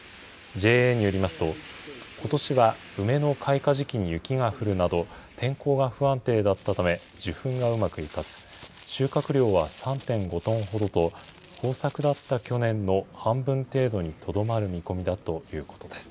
ＪＡによりますと、ことしは梅の開花時期に雪が降るなど、天候が不安定だったため受粉がうまくいかず、収穫量は３．５トンほどと豊作だった去年の半分程度にとどまる見込みだということです。